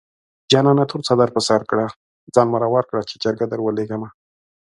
جانانه تور څادر په سر کړه ځان مرور کړه چې جرګه دروليږمه